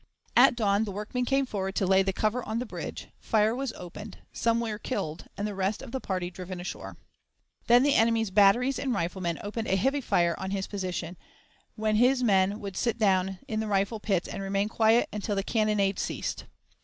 At dawn the workmen came forward to lay the cover on the bridge; fire was opened, some were killed, and the rest of the party driven ashore. Then the enemy's batteries and riflemen opened a heavy fire on his position, when his men would sit down in the rifle pits and remain quiet until the cannonade ceased.